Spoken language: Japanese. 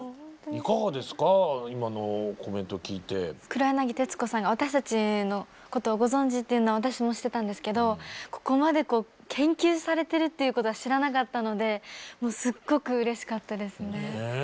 黒柳徹子さんが私たちのことをご存じっていうのは私も知ってたんですけどここまで研究されてるっていうことは知らなかったのでもうすっごくうれしかったですね。